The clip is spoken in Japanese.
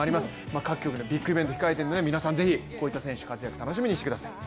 各局、ビッグイベントを控えているので、皆さん、是非こういった選手の活躍楽しみにしてください。